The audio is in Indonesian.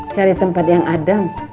cari tempat yang adem